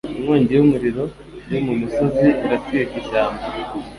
Inkongi y'umuriro yo mu misozi iratwika ishyamba.